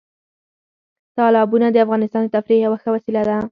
تالابونه د افغانانو د تفریح یوه ښه وسیله ده.